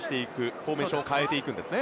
フォーメーションを変えていくんですね。